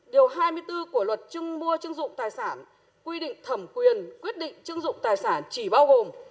điều hai mươi bốn của luật chứng mua chứng dụng tài sản quy định thẩm quyền quyết định chứng dụng tài sản chỉ bao gồm